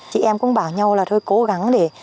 chị em cũng bảo nhau là thôi cố gắng để